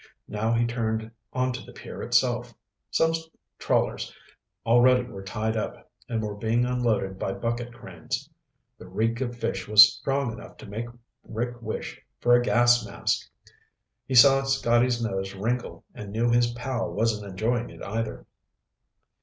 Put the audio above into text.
Now he turned onto the pier itself. Some trawlers already were tied up and were being unloaded by bucket cranes. The reek of fish was strong enough to make Rick wish for a gas mask. He saw Scotty's nose wrinkle and knew his pal wasn't enjoying it, either.